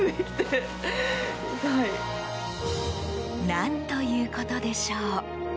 何ということでしょう。